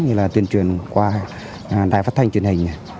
như là tuyên truyền qua đài phát thanh truyền hình này